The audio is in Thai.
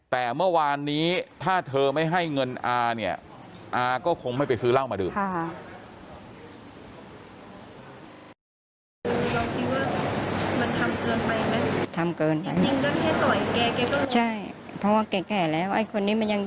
แต่เมื่อวานนี้ถ้าเธอไม่ให้เงินอาเนี่ยอาก็คงไม่ไปซื้อเหล้ามาดื่ม